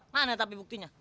mana tapi buktinya